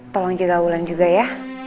tolong jaga bulan juga ya